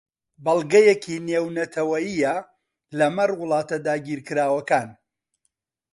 بەڵگەیەکی نێونەتەوەیییە لەمەڕ وڵاتە داگیرکراوەکان